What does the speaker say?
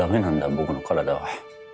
僕の体は。